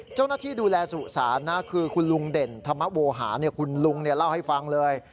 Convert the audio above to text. เจ้าหน้าที่ดูแลสุสานคือคุณลุงเด่นธรรมโวหาคุณลุงเล่าให้ฟังเลย